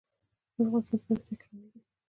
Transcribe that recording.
افغانستان په پکتیکا غني دی.